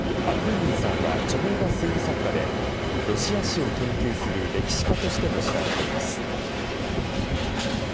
アクーニンさんは著名な推理作家で、ロシア史を研究する歴史家としても知られています。